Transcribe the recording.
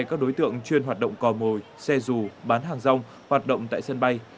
các đối tượng chuyên hoạt động cò mồi xe dù bán hàng rong hoạt động tại sân bay